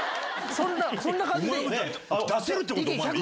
そんな感じで。